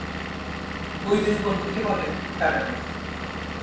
ওই দুই বন্ধুকে বলেন তারানাথ।